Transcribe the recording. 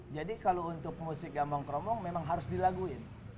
jadi kalau untuk musik gambang kromong memang harus dilaguin